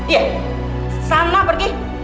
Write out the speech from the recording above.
iya sana pergi